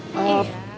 bu devi mau pulang